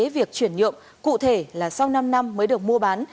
việc chuyển nhượng cụ thể là sau năm năm mới được mua bán